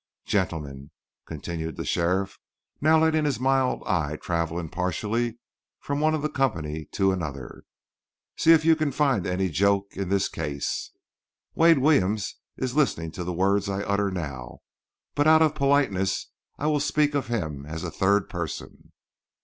Gentlemen!" continued the sheriff, now letting his mild eyes travel impartially from one of the company to another, "see if you can find any joke in this case. Wade Williams is listening to the words I utter now; but out of politeness, I will speak of him as a third person.